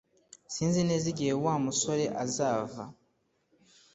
Sinzi neza igihe Wa musore azava